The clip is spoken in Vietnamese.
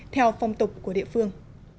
theo phong tục của địa phương